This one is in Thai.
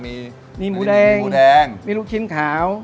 มีหมูแดงมีลูกชิ้นขาว